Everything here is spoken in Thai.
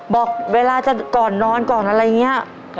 บอกเวลาจะก่อนนอนก่อนอะไรอย่างนี้